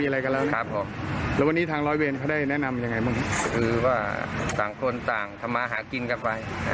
แล้ววันนี้ทางร้อยเวรก็ได้แนะนำยังไงบ้างคือว่าต่างคนต่างธรรมาฆากินกันไป